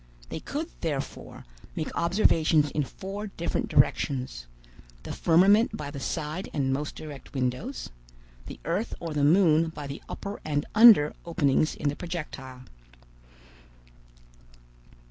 They could, therefore, make observations in four different directions; the firmament by the side and most direct windows, the earth or the moon by the upper and under openings in the projectile.